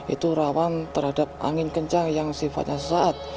itu rawan terhadap angin kencang yang sifatnya sesaat